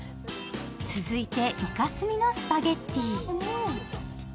続いて、イカ墨のスパゲッティ。